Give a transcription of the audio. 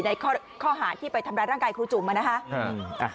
ในข้อหาที่ไปทำร้ายร่างกายครูจุ๋มนะคะ